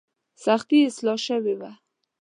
سختي یې اصلاح شوې وه.